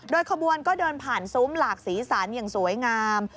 ขบวนก็เดินผ่านซุ้มหลากสีสันอย่างสวยงาม